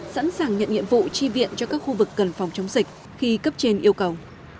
sẵn sàng nhận nhiệm vụ chi viện cho các khu vực cần phòng chống dịch khi cấp trên yêu cầu